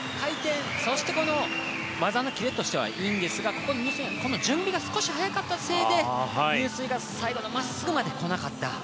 技のキレとしてはいいんですが入水の準備が少し早かったせいで入水が最後の真っすぐまで来なかった。